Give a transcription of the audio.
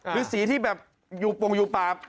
หรือสีที่แบบอยู่ปงอยู่ปาก